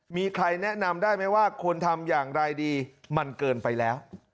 มีใครแนะนำได้ไหมว่าควรทำอย่างไรดีมันเกินไปแล้ว